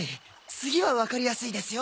次はわかりやすいですよ。